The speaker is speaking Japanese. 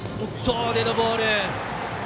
デッドボール。